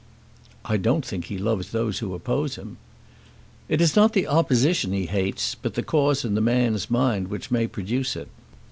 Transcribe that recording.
"I don't think he loves those who oppose him." "It is not the opposition he hates, but the cause in the man's mind which may produce it.